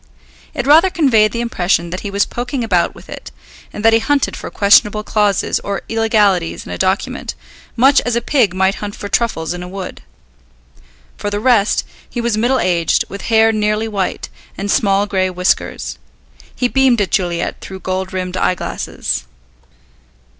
It rather conveyed the impression that he was poking about with it, and that he hunted for questionable clauses or illegalities in a document, much as a pig might hunt for truffles in a wood. For the rest, he was middle aged, with hair nearly white, and small grey whiskers. He beamed at Juliet through gold rimmed eyeglasses.